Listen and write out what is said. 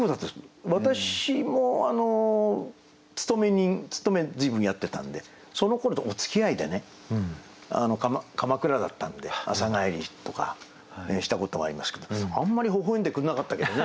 私も勤め人勤め随分やってたんでそのころとかおつきあいでね鎌倉だったんで朝帰りとかしたこともありますけどあんまりほほ笑んでくんなかったけどね。